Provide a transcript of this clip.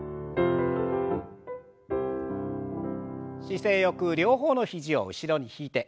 姿勢よく両方の肘を後ろに引いて。